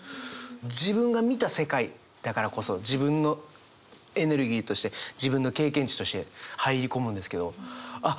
自分が見た世界だからこそ自分のエネルギーとして自分の経験値として入り込むんですけどあっ